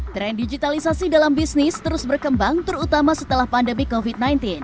tren digitalisasi dalam bisnis terus berkembang terutama setelah pandemi covid sembilan belas